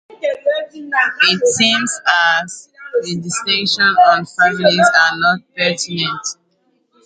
Il semble que les distinctions à l'origine de cette famille ne sont plus pertinentes.